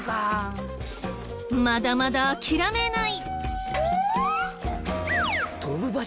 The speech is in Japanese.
まだまだ諦めない！